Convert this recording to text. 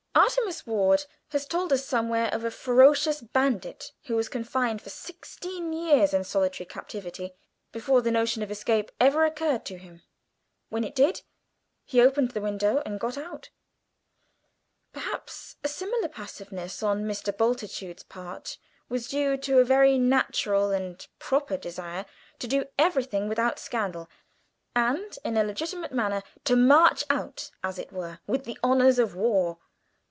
Artemus Ward has told us somewhere of a ferocious bandit who was confined for sixteen years in solitary captivity, before the notion of escape ever occurred to him. When it did, he opened the window and got out. Perhaps a similar passiveness on Mr. Bultitude's part was due to a very natural and proper desire to do everything without scandal, and in a legitimate manner; to march out, as it were, with the honours of war.